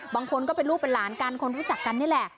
บางคนก็เป็นลูกเป็นหลานกันคนรู้จักกันนี่แหละ